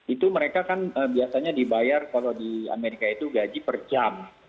itu mereka kan biasanya dibayar kalau di amerika itu gaji per jam